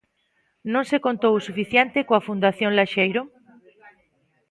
Non se contou o suficiente coa Fundación Laxeiro?